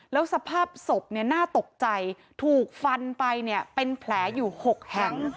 แล้วสภาพศพเนี่ยน่าตกใจถูกฟันไปเนี่ยเป็นแผลอยู่๖แห่ง